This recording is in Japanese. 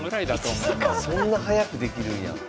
そんな早くできるんや。